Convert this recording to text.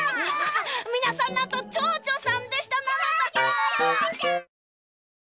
みなさんなんとちょうちょさんでしたなのだ！